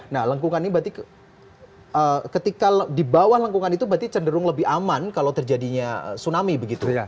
nah lengkungan ini berarti ketika di bawah lengkungan itu berarti cenderung lebih aman kalau terjadinya tsunami begitu